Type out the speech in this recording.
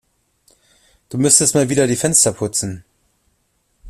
Du müsstest mal wieder die Fenster putzen.